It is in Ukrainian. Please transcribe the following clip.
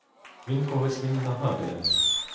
Він когось мені нагадує.